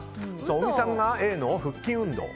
小木さんがＡの腹筋運動。